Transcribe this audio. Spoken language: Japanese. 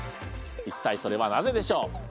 一体それはなぜでしょう。